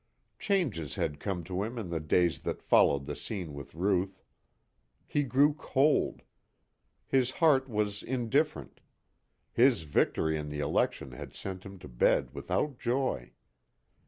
Changes had come to him in the days that followed the scene with Ruth. He grew cold. His heart was indifferent. His victory in the election had sent him to bed without joy.